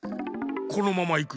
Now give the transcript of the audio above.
このままいく。